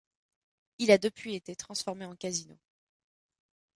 Il a depuis été transformé en casino.